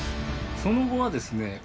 その後はですね